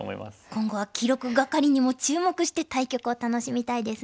今後は記録係にも注目して対局を楽しみたいですね。